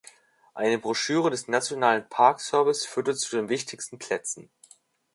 Eine Broschüre des National Park Service führt zu den wichtigsten Plätzen.